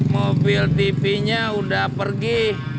mobil tv nya udah pergi